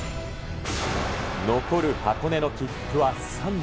残る箱根の切符は３枚。